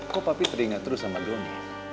kok papi teringat terus sama doni